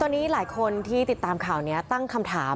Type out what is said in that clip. ตอนนี้หลายคนที่ติดตามข่าวนี้ตั้งคำถาม